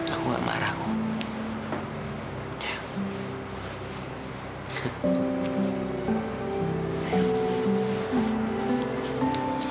aku gak marah kok